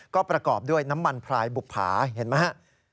ก็ประกอบด้วยน้ำมันพลายบุภาเห็นไหมครับ